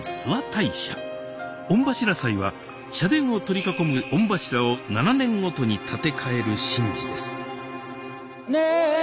御柱祭は社殿を取り囲む御柱を７年ごとに立て替える神事です